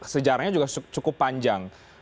sejarahnya juga cukup panjang